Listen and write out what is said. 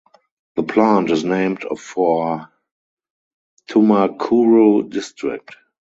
The plant is named for Tumakuru district.